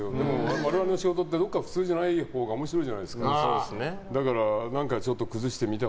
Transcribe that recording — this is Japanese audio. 我々の仕事ってどこか普通じゃないほうが面白いじゃないですか。